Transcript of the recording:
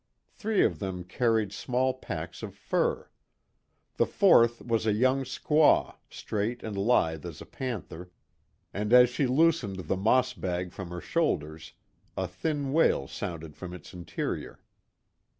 Three of them carried small packs of fur. The fourth was a young squaw, straight and lithe as a panther, and as she loosened the moss bag from her shoulders, a thin wail sounded from its interior.